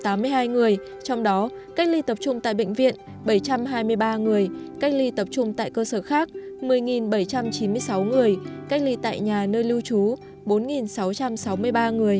trong đó cách ly tập trung tại bệnh viện bảy trăm hai mươi ba người cách ly tập trung tại cơ sở khác một mươi bảy trăm chín mươi sáu người cách ly tại nhà nơi lưu trú bốn sáu trăm sáu mươi ba người